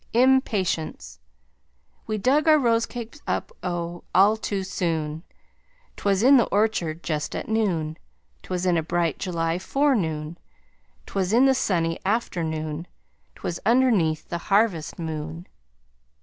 IMPATIENCE We dug our rose cakes up oh! all too soon. Twas in the orchard just at noon. Twas in a bright July forenoon. Twas in the sunny afternoon. Twas underneath the harvest moon.